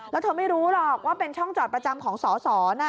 แล้วเธอไม่รู้หรอกว่าเป็นช่องจอดประจำของสอสอนะ